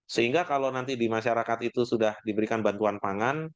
sehingga kalau nanti di masyarakat itu sudah diberikan bantuan pangan